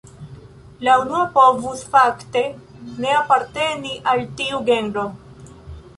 La unua povus fakte ne aparteni al tiu genro.